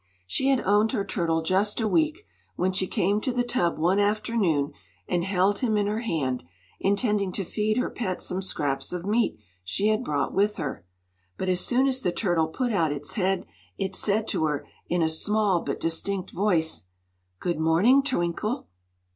She had owned her turtle just a week, when she came to the tub one afternoon and held him in her hand, intending to feed her pet some scraps of meat she had brought with her. But as soon as the turtle put out its head it said to her, in a small but distinct voice: "Good morning, Twinkle."